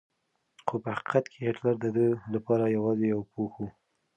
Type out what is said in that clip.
خو په حقیقت کې هېټلر د ده لپاره یوازې یو پوښ و.